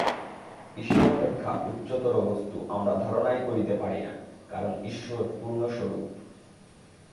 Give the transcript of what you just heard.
ঈশ্বর অপেক্ষা উচ্চতর বস্তু আমরা ধারণাই করিতে পারি না, কারণ ঈশ্বর পূর্ণস্বরূপ।